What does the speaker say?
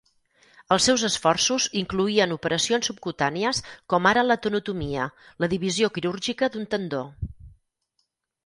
Els seus esforços incloïen operacions subcutànies com ara la tenotomia, la divisió quirúrgica d'un tendó.